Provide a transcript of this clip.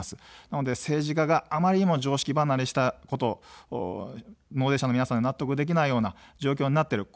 なので政治家があまりにも常識離れしたこと、納税者の皆さんが納得できないような状況になっている。